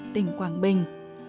tình quảng bình